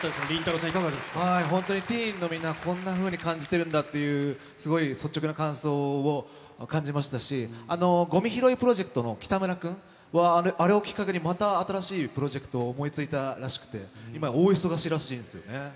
さん、本当にティーンのみんな、感じてるんだっていう、すごい率直な感想を感じましたし、ごみ拾いプロジェクトの北村君は、あれをきっかけにまた新しいプロジェクトを思いついたらしくて、今、大忙しらしいんですよね。